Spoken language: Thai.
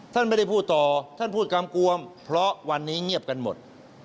ท่านไม่ได้พูดต่อท่านพูดกำกวมเพราะวันนี้เงียบกันหมด